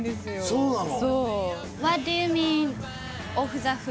そうなの？